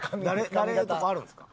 誰とかあるんですか？